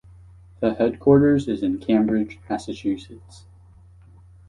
The headquarters is in Cambridge, Massachusetts.